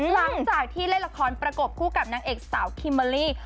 หลังจากที่เล่นละครประกบคู่กับนางเอกสาวคิมเบอร์รี่